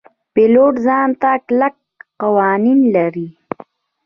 پیلوټ ځان ته کلک قوانین لري.